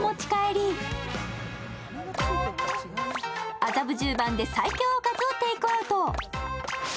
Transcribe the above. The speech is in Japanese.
麻布十番で最強おかずをテイクアウト。